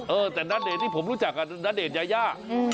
เออแต่ณเดชนนี่ผมรู้จักกับณเดชน์ยายา